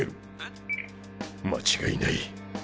間違いない。